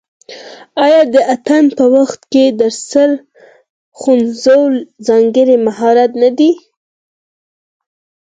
آیا د اتن په وخت کې د سر خوځول ځانګړی مهارت نه دی؟